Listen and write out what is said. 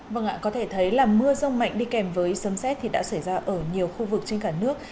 vâng ạ có thể thấy là mưa rông mạnh đi kèm với sấm xét thì đã xảy ra ở nhiều khu vực trên cả nước